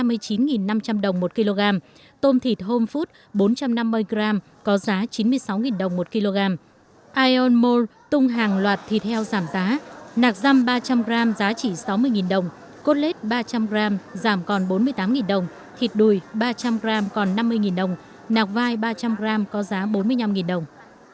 cá nục xanh làm sạch bỏ đầu giảm còn năm mươi chín năm trăm linh đồng một kg tôm thịt home food bốn trăm năm mươi g có giá chín mươi sáu đồng một kg iron mold tung hàng loạt thịt heo giảm giá nạc răm ba trăm linh g giá chỉ sáu mươi đồng cốt lết ba trăm linh g giảm còn bốn mươi tám đồng thịt đùi ba trăm linh g còn năm mươi đồng nạc vai ba trăm linh g có giá bốn mươi năm đồng